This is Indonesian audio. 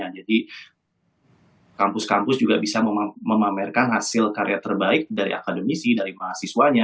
kampus kampus juga bisa memamerkan hasil karya terbaik dari akademisi dari mahasiswanya